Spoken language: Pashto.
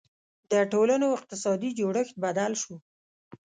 • د ټولنو اقتصادي جوړښت بدل شو.